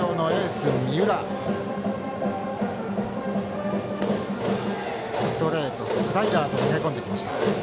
ストレート、スライダーと投げ込んできました。